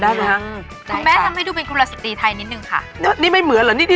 ได้ค่ะคุณแม่ทำให้ดูเป็นกุรสิตีไทยนิดนึงค่ะ